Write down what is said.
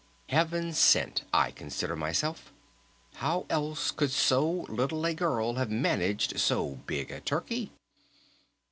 Heaven sent, I consider myself.... How else could so little a girl have managed so big a turkey?"